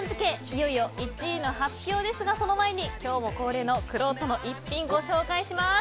いよいよ１位の発表ですがその前に今日も恒例のくろうとの逸品、ご紹介します。